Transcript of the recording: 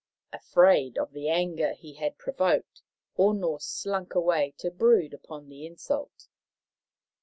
Afraid of the anger he had provoked, Ono slunk away to brood upon the insult.